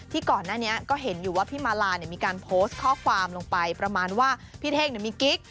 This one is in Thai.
ก่อนหน้านี้ก็เห็นอยู่ว่าพี่มาลามีการโพสต์ข้อความลงไปประมาณว่าพี่เท่งมีกิ๊ก